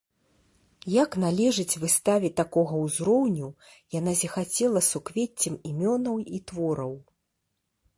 Як належыць выставе такога ўзроўню, яна зіхацела суквеццем імёнаў і твораў.